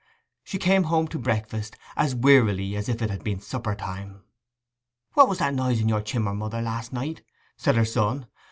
She came home to breakfast as wearily as if it had been suppertime. 'What was that noise in your chimmer, mother, last night?' said her son.